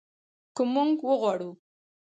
که موږ وغواړو.